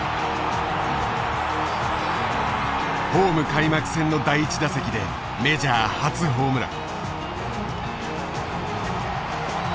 ホーム開幕戦の第１打席でメジャー初ホームラン。